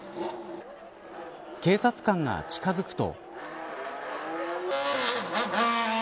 警察官が近づくと。